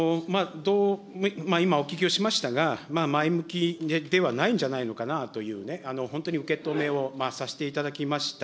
今、お聞きをしましたが、前向きではないんじゃないのかなというね、本当に受け止めをさせていただきました。